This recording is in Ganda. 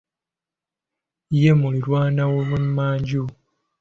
Ye muliraanwa ow'emmanju.